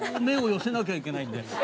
目を寄せなきゃいけないんで。